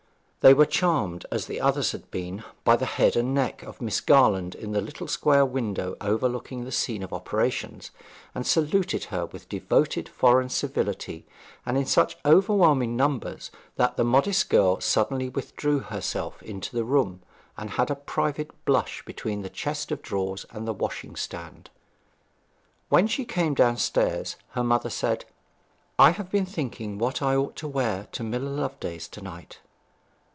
They were charmed, as the others had been, by the head and neck of Miss Garland in the little square window overlooking the scene of operations, and saluted her with devoted foreign civility, and in such overwhelming numbers that the modest girl suddenly withdrew herself into the room, and had a private blush between the chest of drawers and the washing stand. When she came downstairs her mother said, 'I have been thinking what I ought to wear to Miller Loveday's to night.'